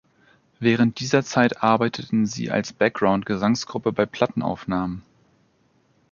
Während dieser Zeit arbeiteten sie als Background-Gesangsgruppe bei Plattenaufnahmen.